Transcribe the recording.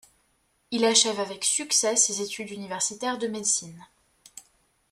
Il achève avec succès ses études universitaires de médecine.